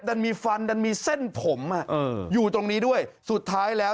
ดันมีฟันดันมีเส้นผมอ่ะเอออยู่ตรงนี้ด้วยสุดท้ายแล้ว